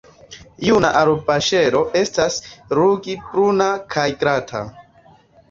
Juna arboŝelo estas ruĝ-bruna kaj glata.